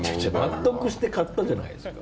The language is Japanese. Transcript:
納得して買ったじゃないですか。